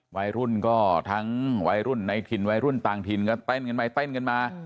วัยรุ่นก็ทั้งวัยรุ่นในถิ่นวัยรุ่นต่างถิ่นก็เต้นกันไปเต้นกันมา